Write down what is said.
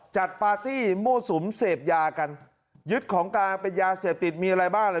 ปาร์ตี้มั่วสุมเสพยากันยึดของกลางเป็นยาเสพติดมีอะไรบ้างล่ะ